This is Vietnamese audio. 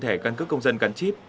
thẻ căn cức công dân gắn chip